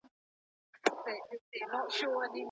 د منځګړو اړوند بحث.